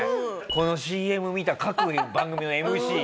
このＣＭ見た各番組のＭＣ。